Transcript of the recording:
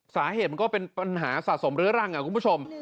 สาเหตุมันก็เป็นปัญหาสะสมเรื้อรังคุณผู้ชม